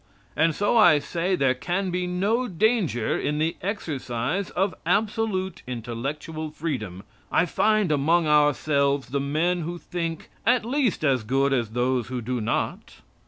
And so I say there can be no danger in the exercise of absolute intellectual freedom. I find among ourselves the men who think at least as good as those who do not.